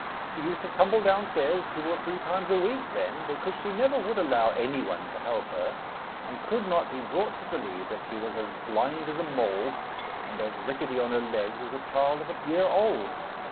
She used to tumble downstairs two or three times a week, then, because she never would allow any one to help her; and could not be brought to believe that she was as blind as a mole, and as rickety on her legs as a child of a year old.